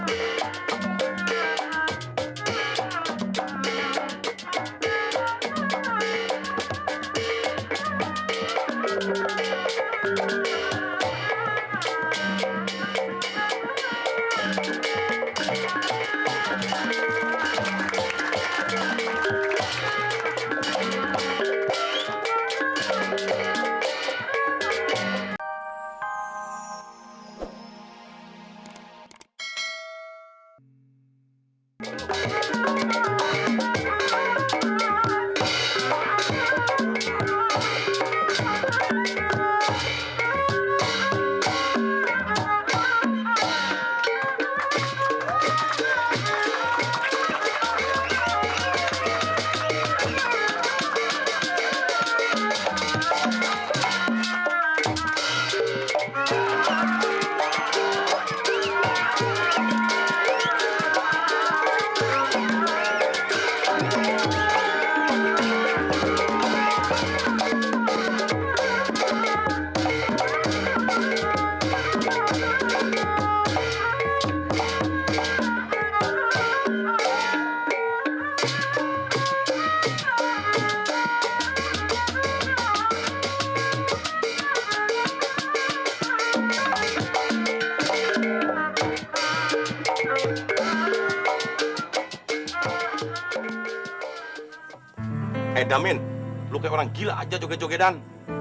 eh damien lu kayak orang gila aje joget jogetan